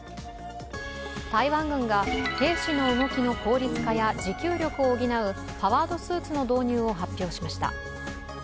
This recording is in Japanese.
台湾軍が兵士の動きの効率化や持久力を補うパワードスーツの導入を発表しました。